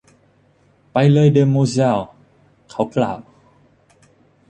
“ไปเลยมาเดอโมแซล” เขากล่าว